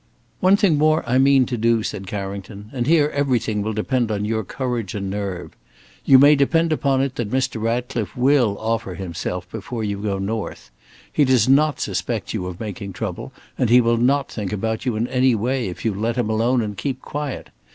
"One thing more I mean to do," said Carrington: "and here everything will depend on your courage and nerve. You may depend upon it that Mr. Ratcliffe will offer himself before you go north. He does not suspect you of making trouble, and he will not think about you in any way if you let him alone and keep quiet.